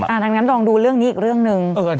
ดังนั้นลองดูเรื่องนี้อีกเรื่องหนึ่ง